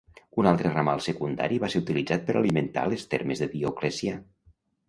Un altre ramal secundari va ser utilitzat per alimentar les Termes de Dioclecià.